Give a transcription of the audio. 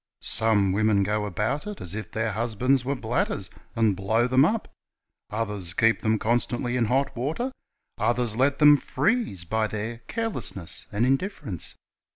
Some women go about it as if their husbands were bladders, and blow them up ; others keep them constantly in hot water; others let them freeze, by their carelessness and indifference.